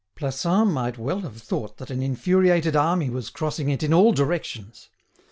Plassans might well have thought that an infuriated army was crossing it in all directions.